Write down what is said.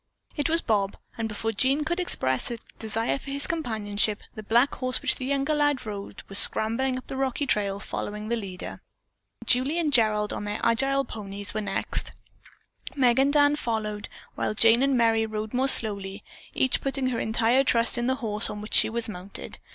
It was Bob, and before Jean could express a desire for his companionship, the black horse which the younger lad rode was scrambling up the rocky trail following the leader. Julie and Gerald, on their agile ponies, were next; Meg and Dan followed, while Jane and Merry rode more slowly, each putting her entire trust in the horse on which she was mounted.